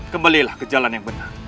kembalilah ke jalan yang benar